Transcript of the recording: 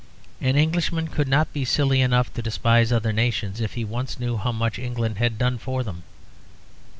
An Englishman could not be silly enough to despise other nations if he once knew how much England had done for them.